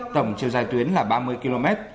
tổng chiều dài tuyến là ba mươi km